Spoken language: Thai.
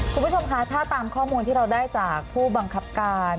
คุณผู้ชมคะถ้าตามข้อมูลที่เราได้จากผู้บังคับการ